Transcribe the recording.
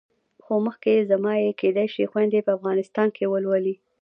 خو مخکې زما یې کېدای شي خویندې په افغانستان کې ولولي.